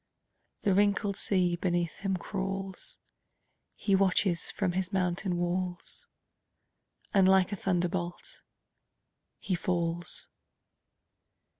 The wrinkled sea beneath him crawls; He watches from his mountain walls, And like a thunderbolt he falls.